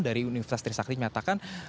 dari universitas trisakti menyatakan